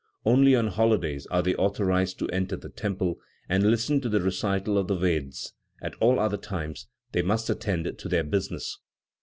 Only on holidays are they authorized to enter the temple and listen to the recital of the Vedas; at all other times they must attend to their business.